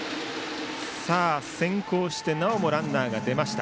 先行してなおもランナーが出ました。